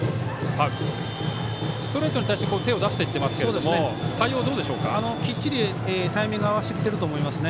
ストレートに対して手を出していっていますけれどもきっちりタイミング合わせてきてると思います。